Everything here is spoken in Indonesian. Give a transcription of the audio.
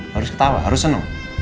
harus ketawa harus seneng